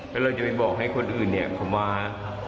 แล้วเราจะไปบอกให้คนอื่นเนี่ยเขามา